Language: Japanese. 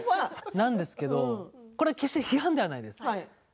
なんですけどこれ、決して批判ではないですよ。